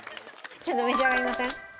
ちょっと召し上がりません？